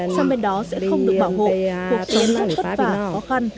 sang bên đó sẽ không được bảo hộ cuộc sống rất khất vả khó khăn